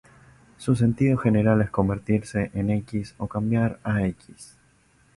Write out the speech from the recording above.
Su sentido general es "convertirse en X" o "cambiar a X".